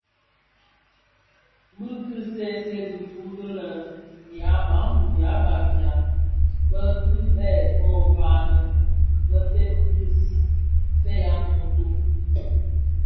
Bi ki see see dhifuu di bè yabantu (ya Bafia) be kibèè kō bani bëftëg bis fèeg a ntonto.